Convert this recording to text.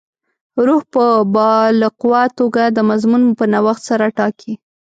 روح په باالقوه توګه د مضمون په نوښت سره ټاکي.